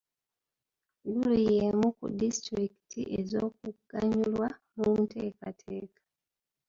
Gulu y'emu ku disitulikiti ez'okuganyulwa mu nteekateeka.